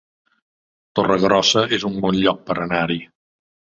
Torregrossa es un bon lloc per anar-hi